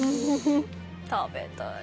食べたい。